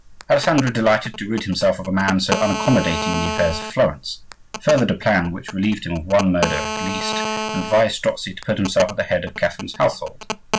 Alessandro, delighted to rid himself of a man so unaccommodating in the affairs of Florence, furthered a plan which relieved him of one murder at least, and advised Strozzi to put himself at the head of Catherine's household.